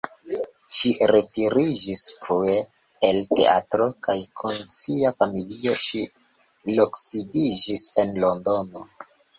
Ŝi retiriĝis frue el teatro kaj kun sia familio ŝi loksidiĝis en Londono.